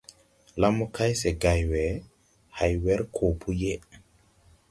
La mo kay, se gày we, hay wer koo po yeʼe.